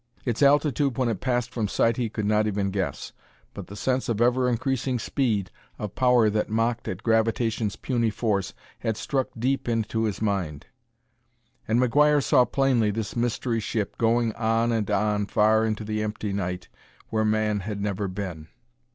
Its altitude when it passed from sight he could not even guess, but the sense of ever increasing speed, of power that mocked at gravitation's puny force, had struck deep into his mind. And McGuire saw plainly this mystery ship going on and on far into the empty night where man had never been.